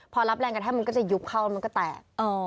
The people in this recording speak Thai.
พอรับแรงกระแทกมันก็จะยุบเข้าแล้วมันก็แตก